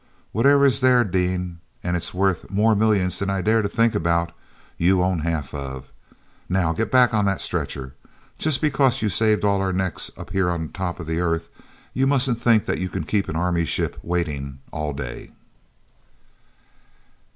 Whatever is there, Dean—and it's worth more millions than I dare to think about—you own half of! Now get back on that stretcher. Just because you've saved all our necks up here on top of the earth, you mustn't think you can keep an Army ship waiting all day!"